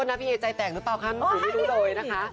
ขอโทษนะพี่เอใจแต่งหรือเปล่าคะผมไม่รู้โดยนะคะ